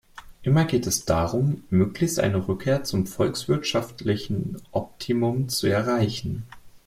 Immer geht es darum, möglichst eine Rückkehr zum volkswirtschaftlichen Optimum zu erreichen.